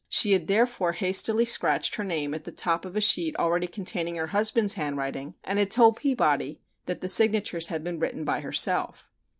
She had therefore hastily scratched her name on the top of a sheet already containing her husband's handwriting and had told Peabody that the signatures had been written by herself.